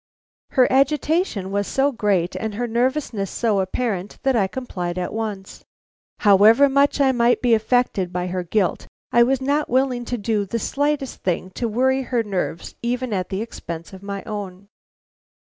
Her agitation was so great and her nervousness so apparent that I complied at once. However much I might be affected by her guilt, I was not willing to do the slightest thing to worry her nerves even at the expense of my own.